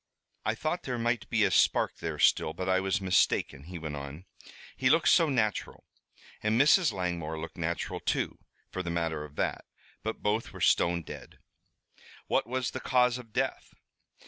"I thought there might be a spark there still, but I was mistaken," he went on. "He looked so natural and Mrs. Langmore looked natural, too, for the matter of that. But both were stone dead." "What was the cause of death?"